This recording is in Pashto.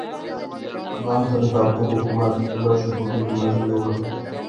بانتن ټاپو حکومت د مرچو بوټي له منځه یووړل.